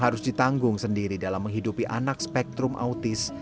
harus ditanggung sendiri dalam menghidupi anak spektrum autis